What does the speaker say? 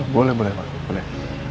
boleh boleh pak boleh